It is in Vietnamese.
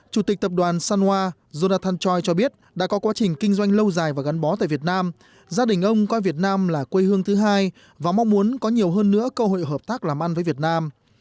chủ tịch tập đoàn sanwa jonathan choi cho biết đã có quá trình kinh doanh lâu dài và gắn bó tại việt nam gia đình ông coi việt nam là quê hương thứ hai và mong muốn có nhiều hơn nữa cơ hội hợp tác làm ăn với việt nam